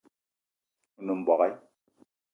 O nem mbogue